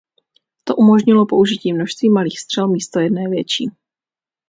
To umožnilo použití množství malých střel místo jedné větší.